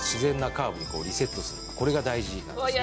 これが大事なんですね。